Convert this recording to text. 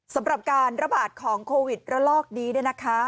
สำหรับการระบาดของโควิดระลอกนี้